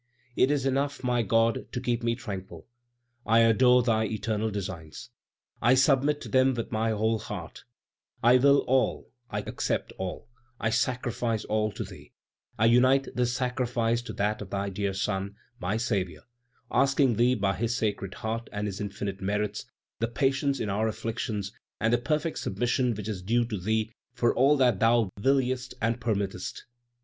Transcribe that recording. It is enough, my God, to keep me tranquil. I adore Thy eternal designs, I submit to them with my whole heart; I will all, I accept all; I sacrifice all to Thee; I unite this sacrifice to that of Thy dear Son, my Saviour, asking Thee by His sacred heart and His infinite merits, the patience in our afflictions and the perfect submission which is due to Thee for all that Thou wiliest and permittest."